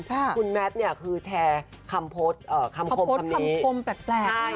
คุณแมทเนี่ยคือแชร์คำโพสต์คำคมโพสต์คำคมแปลก